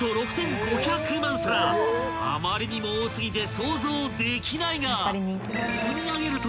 ［あまりにも多過ぎて想像できないが積み上げると］